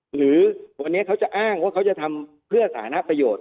หรือวันนี้เขาจะอ้างว่าเขาจะทำเพื่อสาธารณประโยชน์